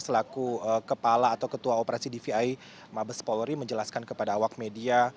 selaku kepala atau ketua operasi dvi mabes polri menjelaskan kepada awak media